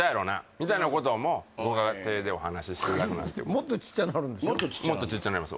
みたいなこともご家庭でお話ししていただくもっとちっちゃなるんでしょもっとちっちゃなんの？